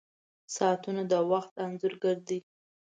• ساعتونه د وخت انځور ګر دي.